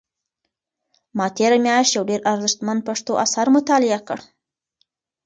ما تېره میاشت یو ډېر ارزښتمن پښتو اثر مطالعه کړ.